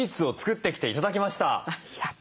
やった！